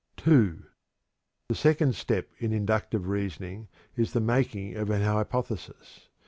II. The second step in inductive reasoning is the making of an hypothesis.